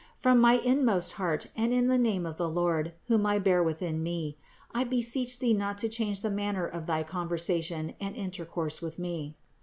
From my inmost heart and in the name of the Lord, whom I bear within me, I beseech thee not to change the manner of thy conversation and intercourse with me.